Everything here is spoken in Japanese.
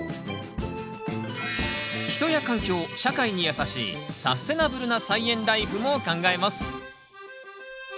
人や環境・社会にやさしいサステナブルな菜園ライフも考えます。